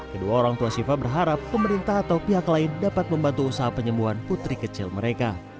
kedua orang tua siva berharap pemerintah atau pihak lain dapat membantu usaha penyembuhan putri kecil mereka